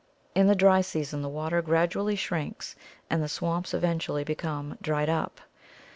In the dry season the water gradually shrinks and the swamps eventually become dried up.